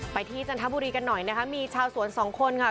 ที่จันทบุรีกันหน่อยนะคะมีชาวสวนสองคนค่ะ